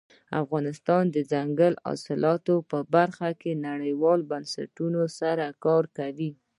افغانستان د دځنګل حاصلات په برخه کې نړیوالو بنسټونو سره کار کوي.